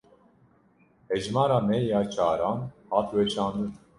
Hejmara me ya çaran hat weşandin.